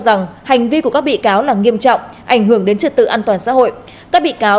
rằng hành vi của các bị cáo là nghiêm trọng ảnh hưởng đến trật tự an toàn xã hội các bị cáo